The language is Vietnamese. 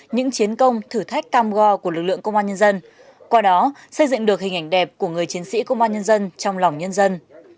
những chiến công thử thách cam go của lực lượng công an nhân dân qua đó xây dựng được hình ảnh đẹp của người chiến sĩ công an nhân dân trong lòng nhân dân